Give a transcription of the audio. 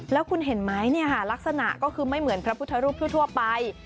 แล้วคุณเห็นไหมลักษณะก็คือไม่เหมือนพระพุทธรูปทั่วไป